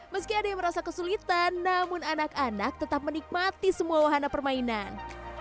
meski ada yang merasa kesulitan namun anak anak tetap menikmati semua wahana permainan